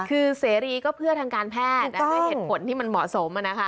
คือเสรีก็เพื่อทางการแพทย์และเพื่อเหตุผลที่มันเหมาะสมอะนะคะค่ะ